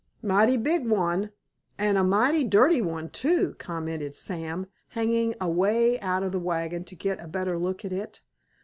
"Mighty big one—and a mighty dirty one, too," commented Sam, hanging away out of the wagon to get a better look at it.